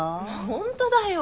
本当だよ。